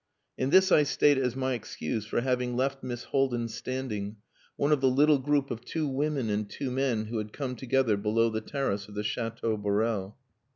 And this I state as my excuse for having left Miss Haldin standing, one of the little group of two women and two men who had come together below the terrace of the Chateau Borel.